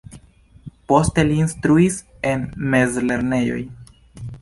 Poste li instruis en mezlernejoj.